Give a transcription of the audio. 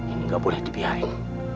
ini gak boleh dibiarkan